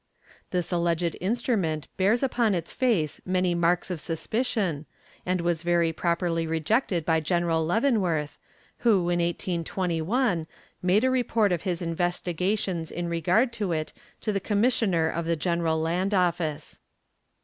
This alleged instrument bears upon its face many marks of suspicion, and was very properly rejected by General Leavenworth, who, in 1821, made a report of his investigations in regard to it to the commissioner of the general land office.